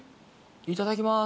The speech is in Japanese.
いただきます。